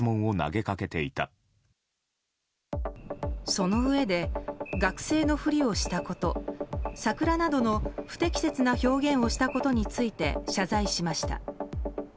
そのうえで学生のふりをしたことサクラなどの不適切な表現をしたことについて謝罪しました。